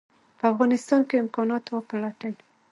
په افغانستان کې امکانات وپلټي.